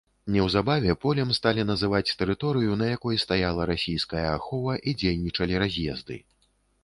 Неўзабаве полем сталі называць тэрыторыю, на якой стаяла расійская ахова і дзейнічалі раз'езды.